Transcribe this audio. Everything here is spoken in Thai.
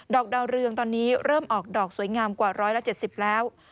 อกดาวเรืองตอนนี้เริ่มออกดอกสวยงามกว่า๑๗๐แล้ว